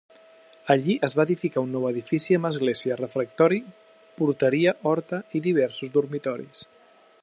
Allí es va edificar un nou edifici amb església, refectori, porteria, horta i diversos dormitoris.